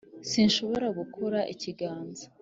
sinshobora gukora ikiganza